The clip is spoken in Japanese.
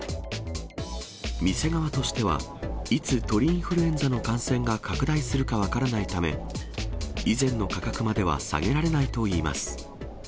店側としてはいつ鳥インフルエンザの感染が拡大するか分からないため、以前の価格までは下げられないといいます。